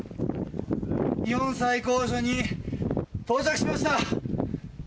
日本最高所に到着しました！